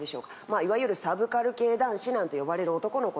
いわゆるサブカル系男子なんて言われる男の子。